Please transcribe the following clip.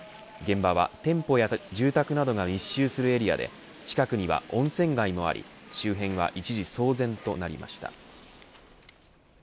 現場は店舗や住宅などが密集するエリアで近くには温泉街もあり周辺は一時騒然となりました。